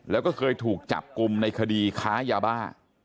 แล้วก็เคยถูกจับกลุ่มในคดีค้ายาบ้า